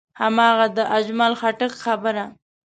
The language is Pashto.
هماغه د اجمل خټک خبره.